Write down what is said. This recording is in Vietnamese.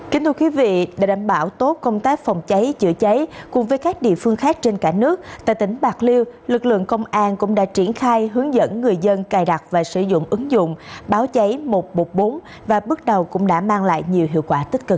kính thưa quý vị để đảm bảo tốt công tác phòng cháy chữa cháy cùng với các địa phương khác trên cả nước tại tỉnh bạc liêu lực lượng công an cũng đã triển khai hướng dẫn người dân cài đặt và sử dụng ứng dụng báo cháy một trăm một mươi bốn và bước đầu cũng đã mang lại nhiều hiệu quả tích cực